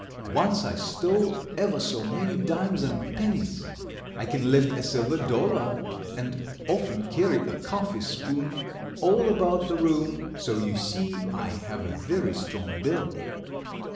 Once I stole ever so many dimes and pennies. I can lift a silver dollar and often carry a coffee spoon all about the room, so you see I have a very strong bill.